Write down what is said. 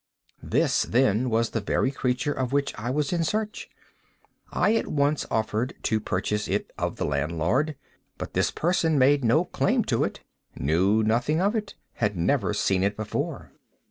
This, then, was the very creature of which I was in search. I at once offered to purchase it of the landlord; but this person made no claim to it—knew nothing of it—had never seen it before.